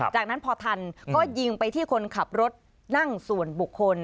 จากนั้นพอทันก็ยิงไปที่คนขับรถนั่งส่วนบุคคล